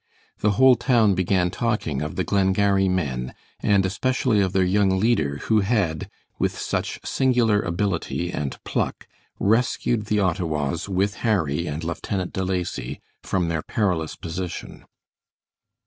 The whole town began talking of the Glengarry men, and especially of their young leader who had, with such singular ability and pluck, rescued the Ottawas with Harry and Lieutenant De Lacy, from their perilous position.